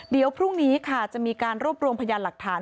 เดี๋ยวพรุ่งนี้ค่ะจะมีการรวบรวมพยานหลักฐาน